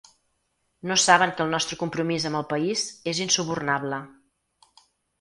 No saben que el nostre compromís amb el país és insubornable.